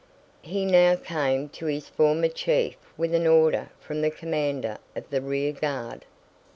He now came to his former chief with an order from the commander of the rear guard.